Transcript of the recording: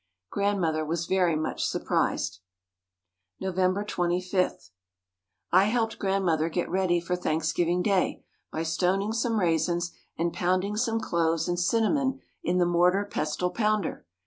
Grandmother was very much surprised. November 25. I helped Grandmother get ready for Thanksgiving Day by stoning some raisins and pounding some cloves and cinnamon in the mortar pestle pounder.